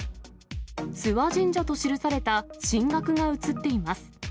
諏訪神社と記された神額が写っています。